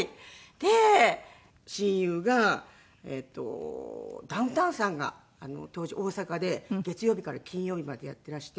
で親友がえーとダウンタウンさんが当時大阪で月曜日から金曜日までやっていらして。